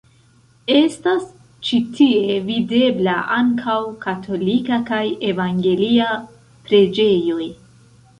Estas ĉi tie videbla ankaŭ katolika kaj evangelia preĝejoj.